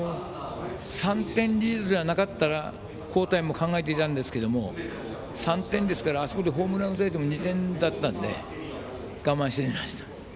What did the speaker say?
３点リードでなかったら交代も考えていたんですけど３点ですから、あそこでホームランを打たれても２点だったので我慢しました。